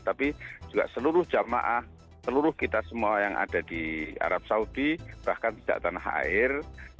tapi juga seluruh jamaah seluruh kita semua yang ada di arab saudi bahkan sejak tanah air